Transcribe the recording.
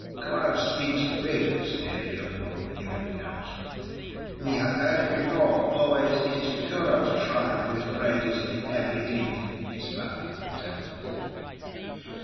"Kurho speaks big," sneered a young one, new in Council. "We have heard it before, always it is Kurho's tribe who is greatest in every deed...." He spat in contempt.